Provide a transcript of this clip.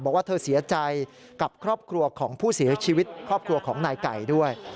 บอกว่าเธอเสียใจกับครอบครัวของผู้เสียชีวิตครอบครัวของนายไก่ด้วย